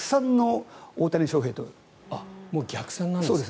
もう逆算なんですね。